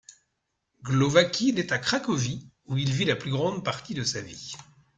Głowacki naît à Cracovie, où il vit la plus grande partie de sa vie.